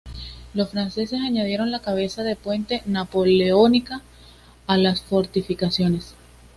Los franceses añadieron la cabeza de puente napoleónica a las fortificaciones.